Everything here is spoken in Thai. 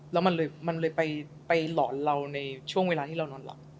แล้วมันเลยไปหลอนเราในช่วงเวลาที่เรานอนหลับ